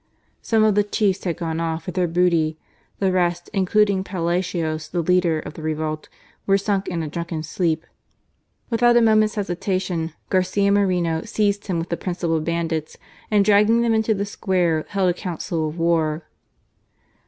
Some of the chiefs had gone off with their booty, the rest, including Palacios, the leader of the revolt, were sunk in a drunken sleep. Without a moment's hesitation Garcia Moreno seized him with the principal bandits, and dragging them into the square, held a council of war.